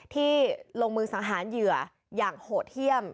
ที่ลงมือสังหารเหยื่ออย่างโหดเยี่ยม